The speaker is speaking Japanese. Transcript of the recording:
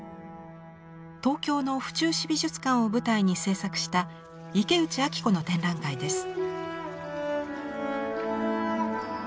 東京の府中市美術館を舞台に制作した池内晶子の展覧会です。